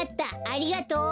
ありがとう。